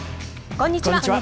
こんにちは。